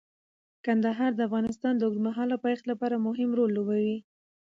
کندهار د افغانستان د اوږدمهاله پایښت لپاره مهم رول لوبوي.